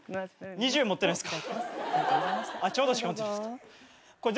２０円持ってないっすか？